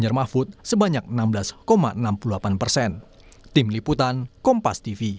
jadi kpu itu berhasil jadi perhubungan suara